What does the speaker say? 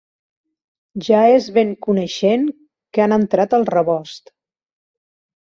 Ja és ben coneixent que han entrat al rebost.